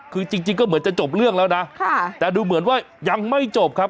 คือจริงก็เหมือนจะจบเรื่องแล้วนะแต่ดูเหมือนว่ายังไม่จบครับ